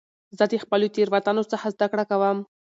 زه د خپلو تېروتنو څخه زده کړه کوم.